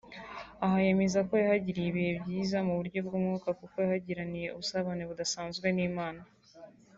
Aha yemeza ko yahagiriye ibihe byiza mu buryo bw’umwuka kuko yahagiraniye ubusabane budasanzwe n’Imana